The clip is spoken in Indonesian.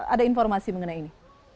ada informasi mengenai ini